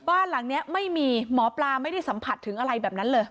บ้านหลังนี้ไม่มีหมอปลาไม่ได้สัมผัสถึงอะไรแบบนั้นเลย